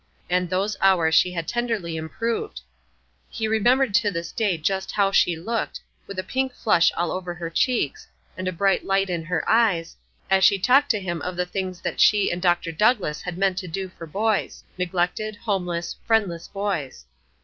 And those hours she had tenderly improved. He remembered to this day just how she looked, with a pink flush all over her cheeks, and a bright light in her eyes, as she talked to him of the things that she and Dr. Douglass had meant to do for boys, neglected, homeless, friendless boys.